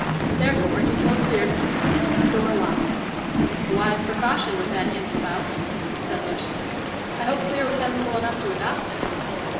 Therefore, he told Clear to keep his sitting room door locked." "A wise precaution, with that imp about," said Lucian. "I hope Clear was sensible enough to adopt it."